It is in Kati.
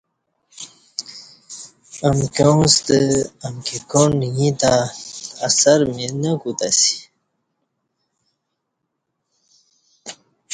امکیاں ستہ امکی کاݨ ییں تہ اثر می نہ کوتہ اسی